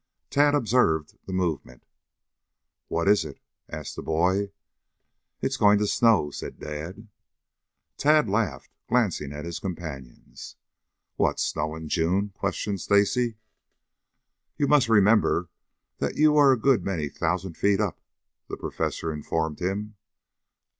Tad observed the movement. "What is it?" asked the boy. "It's going to snow," said Dad. Tad laughed, glancing at his companions. "What, snow in June?" questioned Stacy. "You must remember that you are a good many thousand feet up," the Professor informed him.